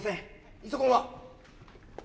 イソコンは？